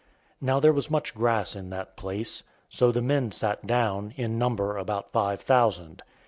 Now there was much grass in that place. So the men sat down, in number about five thousand.